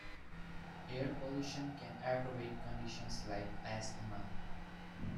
Air pollution can aggravate conditions like Asthma.